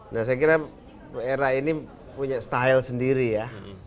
nah saya kira era ini punya style sendiri ya